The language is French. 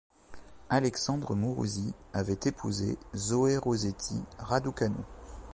Alexandre Mourousi avait épousé Zoé Rosetti-Raducanu.